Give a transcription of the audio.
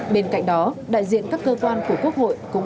bên cạnh đó đại diện các cơ quan của quốc hội cũng đã trả lời xung quanh